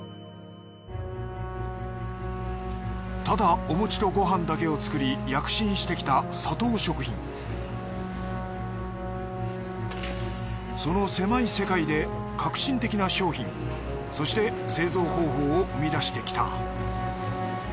ただお餅とご飯だけを作り躍進してきたサトウ食品その狭い世界で革新的な商品そして製造方法を生み出してきた。